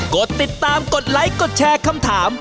กดติดตามกดไลค์กดแชร์คำถาม